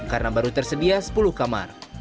karena baru tersedia sepuluh kamar